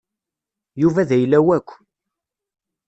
Yuba d ayla-w akk.